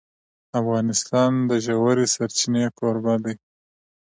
افغانستان د ژورې سرچینې کوربه دی.